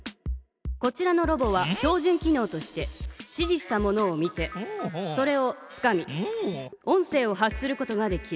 こちらのロボは標じゅん機のうとして指じしたものを見てそれをつかみ音声を発することができる。